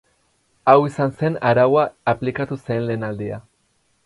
Hau izan zen araua aplikatu zen lehen aldia.